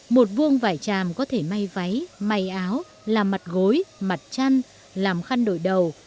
một vuông vải tràm có thể may váy may áo làm mặt gối mặt chăn làm khăn đội đầu